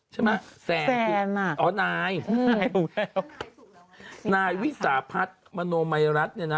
ใช่ไหมแซนอ๋อนายนายรู้แล้วนายวิสาพัฒน์มโนไมรัสเนี่ยนะ